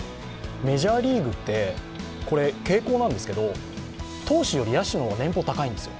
メジャーリーグって傾向なんですけれども投手より野手の方が年俸高いんですよ。